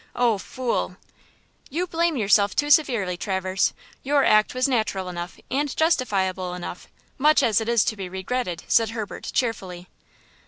Oh, fool!" "You blame yourself too severely, Traverse. Your act was natural enough and justifiable enough, much as it is to be regretted," said Herbert, cheerfully.